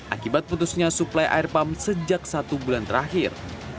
akibat putusnya suplai air pump sejak satu bulan terakhir